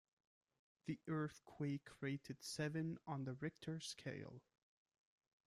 The earthquake rated seven on the Richter scale.